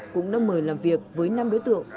cũng đã mời làm việc với năm đối tượng